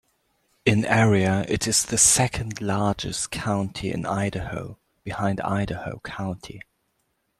In area it is the second-largest county in Idaho, behind Idaho County.